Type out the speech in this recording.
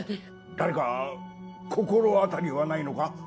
誰か心当たりはないのか？